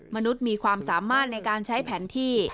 มนุษย์มีความสามารถในการใช้แผนที่